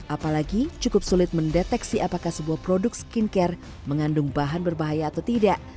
apalagi cukup sulit mendeteksi apakah sebuah produk skincare mengandung bahan berbahaya atau tidak